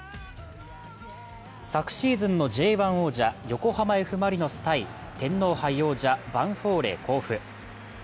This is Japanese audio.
昨シーズンのＪ１王者・横浜Ｆ・マリノス対、天皇杯王者、ヴァンフォーレ甲府。